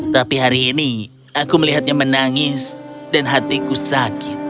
tapi hari ini aku melihatnya menangis dan hatiku sakit